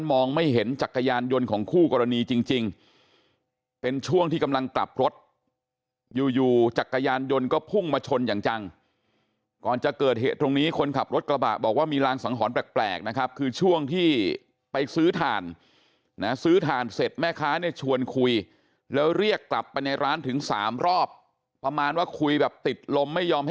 มองไม่เห็นจักรยานยนต์ของคู่กรณีจริงเป็นช่วงที่กำลังกลับรถอยู่อยู่จักรยานยนต์ก็พุ่งมาชนอย่างจังก่อนจะเกิดเหตุตรงนี้คนขับรถกระบะบอกว่ามีรางสังหรณ์แปลกนะครับคือช่วงที่ไปซื้อถ่านนะซื้อถ่านเสร็จแม่ค้าเนี่ยชวนคุยแล้วเรียกกลับไปในร้านถึงสามรอบประมาณว่าคุยแบบติดลมไม่ยอมให้